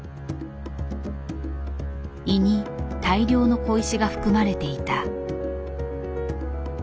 胃に大量の小石が含まれていた。